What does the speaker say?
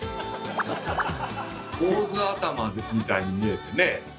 坊主頭みたいに見えてね